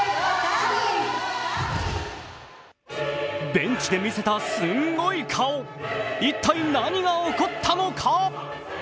ベンチで見せたすんごい顔、一体何が起こったのか。